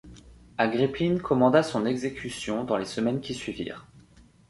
Agrippine commanda son exécution dans les semaines qui suivirent.